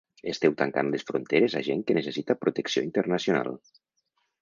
Esteu tancant les fronteres a gent que necessita protecció internacional.